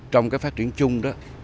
trong phát triển chung